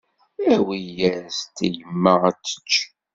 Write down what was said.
Awi-yas-d i yemma ad tečč.